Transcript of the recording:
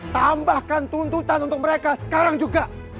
tambahkan tuntutan untuk mereka sekarang juga